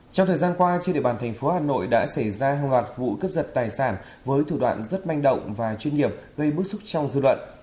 trong thời gian qua trên địa bàn thành phố hà nội đã xảy ra hàng loạt vụ cướp giật tài sản với thủ đoạn rất manh động và chuyên nghiệp gây bức xúc trong dư luận